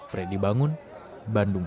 fredy bangun bandung